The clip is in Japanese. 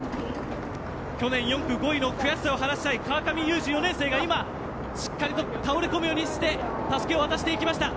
東海大学、去年４区５位の悔しさを晴らしたい川上勇士、４年生がしっかりと倒れ込むようにしてたすきを渡していきました。